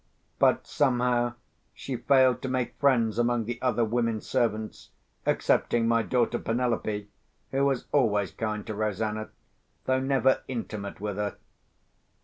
But, somehow, she failed to make friends among the other women servants, excepting my daughter Penelope, who was always kind to Rosanna, though never intimate with her.